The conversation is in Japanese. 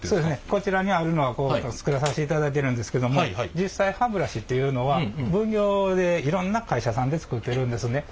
こちらにあるのは作らさせていただいてるんですけども実際いろんな会社さんで作ってるんですね。